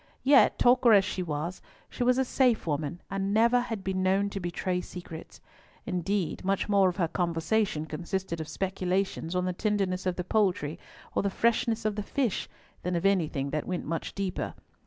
Yet, talker as she was, she was a safe woman, and never had been known to betray secrets. Indeed, much more of her conversation consisted of speculations on the tenderness of the poultry, or the freshness of the fish, than of anything that went much deeper.